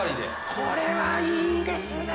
これはいいですね！